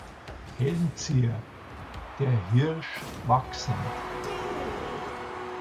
Helmzier: Der Hirsch wachsend.